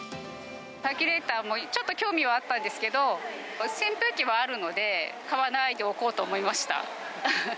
サーキュレーターもちょっと興味はあったんですけど、扇風機はあるので、買わないでおこうと思いました。